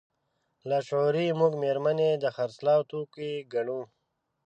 لاشعوري موږ مېرمنې د خرڅلاو توکي ګڼو.